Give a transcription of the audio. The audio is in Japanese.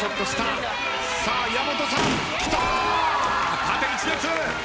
縦１列。